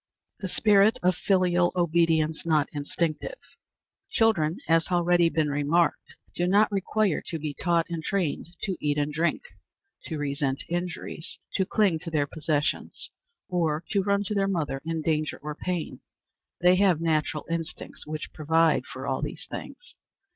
The Spirit of filial Obedience not Instinctive. Children, as has already been remarked, do not require to be taught and trained to eat and drink, to resent injuries, to cling to their possessions, or to run to their mother in danger or pain. They have natural instincts which provide for all these things.